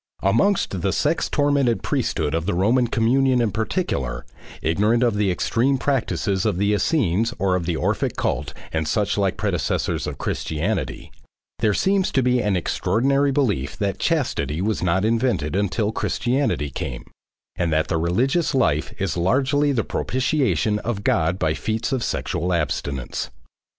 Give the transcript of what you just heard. Amongst the sex tormented priesthood of the Roman communion in particular, ignorant of the extreme practices of the Essenes and of the Orphic cult and suchlike predecessors of Christianity, there seems to be an extraordinary belief that chastity was not invented until Christianity came, and that the religious life is largely the propitiation of God by feats of sexual abstinence.